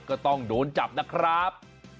ก็ต้องโดนจับนะครับ